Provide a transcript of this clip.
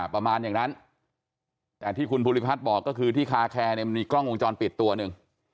ประมาณอย่างนั้นแต่ที่คุณภูริพัฒน์บอกก็คือที่คาแคร์เนี่ยมันมีกล้องวงจรปิดตัวหนึ่ง